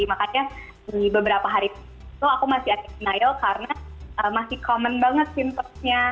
makanya di beberapa hari itu aku masih ada denial karena masih common banget simptomnya